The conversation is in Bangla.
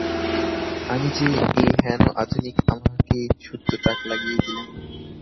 আমি যে এ-হেন আধুনিক, আমাকে সুদ্ধ তাক লাগিয়ে দিলেন।